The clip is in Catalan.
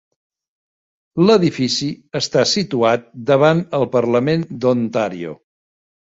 L'edifici està situat davant el Parlament d'Ontario.